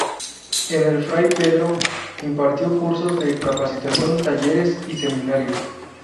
En el Fray Pedro impartió cursos de capacitación, talleres y seminarios.